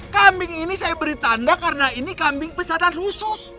kambing ini saya beri tanda karena ini kambing pesanan khusus